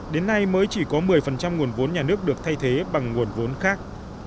đến nay mới chỉ có một mươi nguồn vốn nhà nước được thay thế bằng nguồn vốn khác